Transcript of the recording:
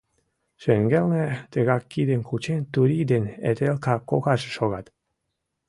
Шеҥгелне, тыгак кидым кучен, Турий ден Этелка кокаже шогат.